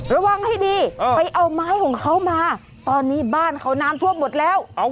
ระวังให้ดีไปเอาไม้ของเขามาตอนนี้บ้านเขาน้ำท่วมหมดแล้ว